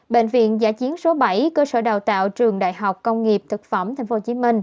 bệnh viện giả chiến số bảy cơ sở đào tạo trường đại học công nghiệp thực phẩm tp hcm